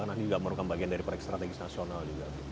karena ini juga merupakan bagian dari proyek strategis nasional juga